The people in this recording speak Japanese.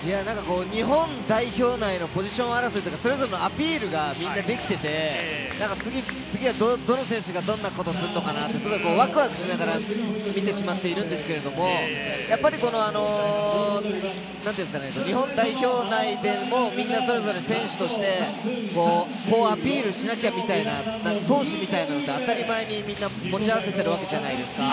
日本代表内のポジション争い、それぞれのアピールがみんなできてて、次はどの選手がどんなことをするのかなって、すごくワクワクしながら見てしまっているんですけれども、やっぱり、日本代表内でもみんなそれぞれ選手としてアピールしなきゃという闘志みたいなのって当たり前にみんな持ち合わせるわけじゃないですか。